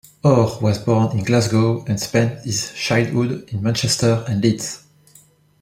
Orr was born in Glasgow and spent his childhood in Manchester and Leeds.